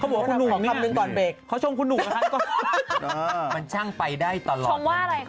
เค้าบอกว่าคุณหนุ่มของนี้เนี่ย